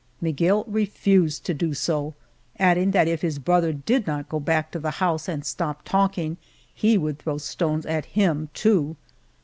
Miguel refused to do so, adding that if his brother did not go back to the house and stop talking he would throw stones at him too.